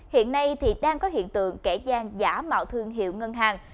hiện nay thì đang có hiện tượng kẻ gian giả mạo thương hiệu ngân hàng